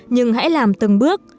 nhưng hãy làm từng bước